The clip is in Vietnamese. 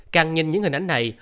càng nhìn những hình ảnh này